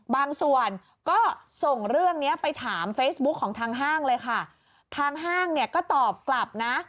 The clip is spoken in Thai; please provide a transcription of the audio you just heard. บางส่วนก็ส่งเรื่องเนี้ยไปถามเฟซบุ๊คของทางห้างเลยค่ะทางห้างเนี่ยก็ตอบกลับนะ